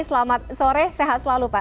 selamat sore sehat selalu pak